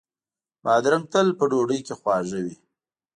بادرنګ تل په ډوډۍ کې خواږه وي.